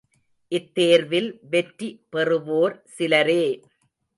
இத்தேர்வில் வெற்றி பெறுவோர் சிலரே!